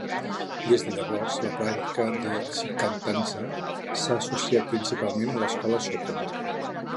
Des de llavors, la pràctica de shikantaza s'ha associat principalment a l'escola Soto.